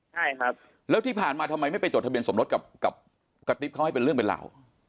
ใช่ครับแล้วที่ผ่านมาทำไมไม่ไปจดทะเบียนสมรสกับกระติ๊บเขาให้เป็นเรื่องเป็นราว